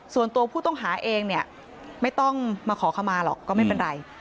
ส่วนตัวผู้ต้องหาเองเนี่ยไม่ต้องมาขอขมาหรอกก็ไม่เป็นไร